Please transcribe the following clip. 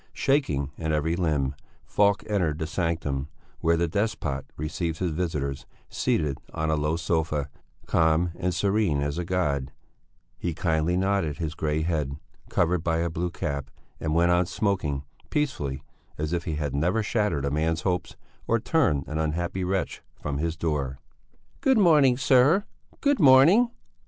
Shaking in every limb, Falk entered the sanctum, where the despot received his visitors, seated on a low sofa, calm and serene as a god; he kindly nodded his grey head, covered by a blue cap, and went on smoking, peacefully, as if he had never shattered a man's hopes or turned an unhappy wretch from his door. "Good morning, sir, good morning!"